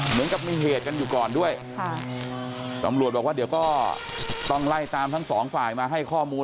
เหมือนกับมีเหตุกันอยู่ก่อนด้วยค่ะตำรวจบอกว่าเดี๋ยวก็ต้องไล่ตามทั้งสองฝ่ายมาให้ข้อมูล